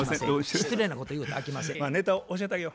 失礼なこと言うたらあきませんよ。